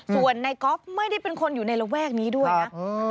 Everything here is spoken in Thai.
ส่วนในก๊อฟไม่ได้เป็นคนอยู่ในระแวกนี้ด้วยนะ